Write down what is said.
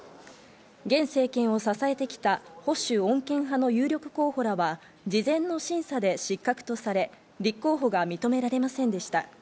現政権を支えてきた保守穏健派の有力候補らは事前の審査で失格とされ、立候補が認められませんでした。